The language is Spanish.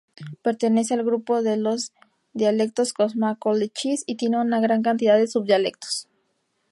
Pertenece al grupo de los dialectos Comasco-Lecchese y tiene una gran cantidad de subdialectos.